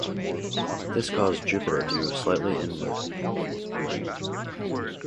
This caused Jupiter to move slightly inward.